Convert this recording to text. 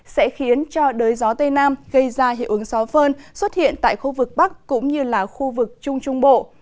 sẽ khiến cho đới gió tây nam gây ra hiệu ứng xóa phơn xuất hiện tại khu vực bắc cũng như là khu vực trung trung bộ